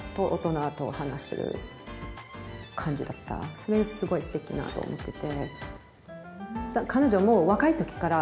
それ、すごいすてきだなと思っていて。